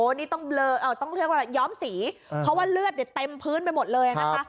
นี่ต้องเรียกว่าย้อมสีเพราะว่าเลือดเนี่ยเต็มพื้นไปหมดเลยนะคะ